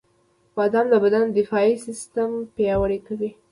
• بادام د بدن د دفاعي سیستم پیاوړی کوي.